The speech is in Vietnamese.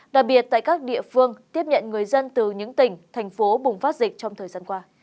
đặc biệt tại các địa phương tiếp nhận người dân từ những tỉnh thành phố bùng phát dịch trong thời gian qua